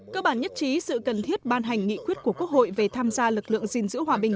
cơ bản nhất trí sự cần thiết ban hành nghị quyết của quốc hội về tham gia lực lượng gìn giữ hòa bình